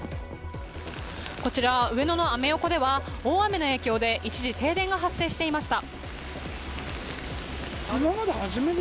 こちら上野のアメ横では大雨の影響で一時停電が発生していました。